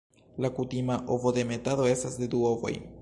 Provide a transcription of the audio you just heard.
La kutima ovodemetado estas de du ovoj.